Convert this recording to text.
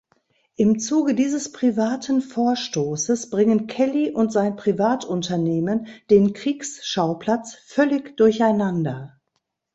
Im Zuge dieses privaten Vorstoßes bringen Kelly und sein Privatunternehmen den Kriegsschauplatz völlig durcheinander.